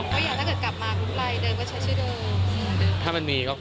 ตอนที่สถานการณ์อะไรมันก็ดีขึ้นเนอะ